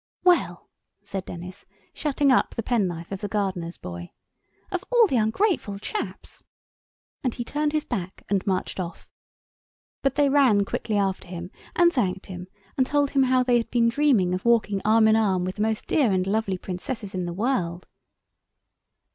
"Well," said Denis, shutting up the penknife of the gardener's boy, "of all the ungrateful chaps!" And he turned his back and marched off. But they ran quickly after him and thanked him and told him how they had been dreaming of walking arm in arm with the most dear and lovely Princesses in the world.